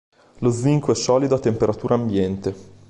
Lo zinco è solido a temperatura ambiente.